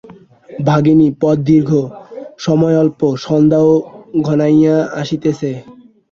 ভগিনী, পথ দীর্ঘ, সময় অল্প, সন্ধ্যাও ঘনাইয়া আসিতেছে।